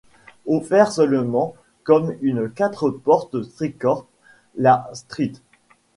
Offert seulement comme une quatre portes tricorps, la St.